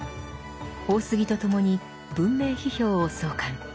大杉とともに「文明批評」を創刊。